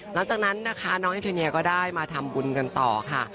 หลังจากนั้นนะคะน้องเอทูเนียก็ได้มาทำบุญกันต่อค่ะ